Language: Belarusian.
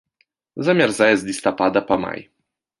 Замярзае з лістапада па май.